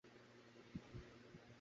বাগে পেলেই এক আধ বিন্দু পান করতাম।